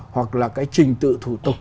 hoặc là cái trình tự thủ tục